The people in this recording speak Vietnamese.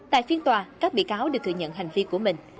tại phiên tòa các bị cáo đều thừa nhận hành vi của mình